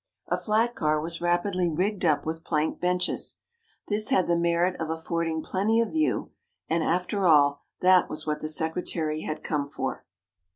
A flat car was rapidly rigged up with plank benches. This had the merit of affording plenty of view, and, after all, that was what the secretary had come for.